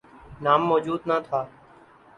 نام موجود نہ تھا۔